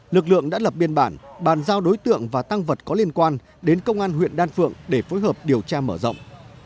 lực lượng đã lập biên bản bàn giao đối tượng và tăng vật có liên quan đến công an huyện đan phượng để phối hợp điều tra mở rộng